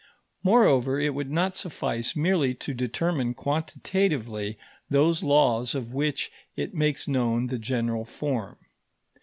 Moreover, it would not suffice merely to determine quantitatively those laws of which it makes known the general form.